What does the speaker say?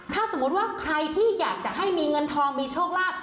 ถ้าสมมุติว่าใครที่อยากจะให้มีเงินทองมีโชคลาภ